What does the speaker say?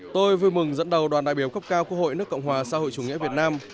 tôi vui mừng dẫn đầu đoàn đại biểu cấp cao quốc hội nước cộng hòa xã hội chủ nghĩa việt nam